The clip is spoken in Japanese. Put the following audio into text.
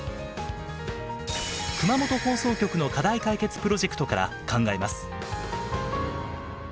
熊本放送局の課題解決プロジェクトから考えます。